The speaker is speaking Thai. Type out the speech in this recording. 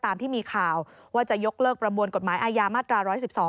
ตามที่มีข่าวว่าจะยกเลิกประมวลกฎหมายอาญามาตรา๑๑๒